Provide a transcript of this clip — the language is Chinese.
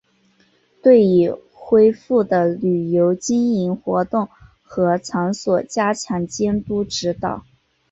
对已恢复的旅游经营活动和场所加强监督指导